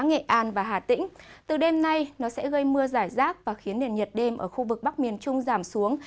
nghệ an và hà tĩnh từ đêm nay nó sẽ gây mưa giải rác và khiến nền nhiệt đêm ở khu vực bắc miền trung giảm xuống